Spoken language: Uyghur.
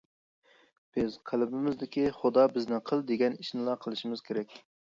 بىز، قەلبىمىزدىكى خۇدا بىزنى قىل دېگەن ئىشنىلا قىلىشىمىز كېرەك.